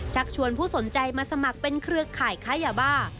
ชวนผู้สนใจมาสมัครเป็นเครือข่ายค้ายาบ้า